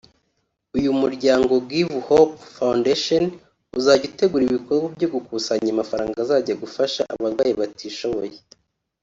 uyu muryango ‘Give Hope Foundation’ uzajya utegura ibikorwa byo gukusanya amafaranga azajya afasha abarwayi batishoboye